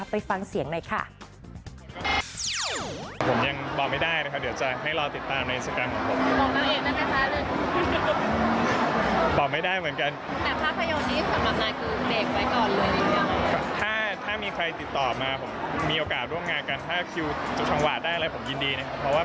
ไปฟังเสียงหน่อยค่ะ